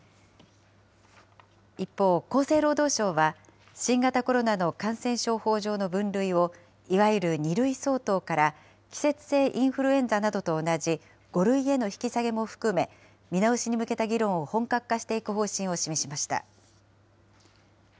一方、厚生労働省は新型コロナの感染症法上の分類をいわゆる２類相当から、季節性インフルエンザなどと同じ、５類への引き下げも含め、見直しに向けた議論を本格化していく方針を示しました。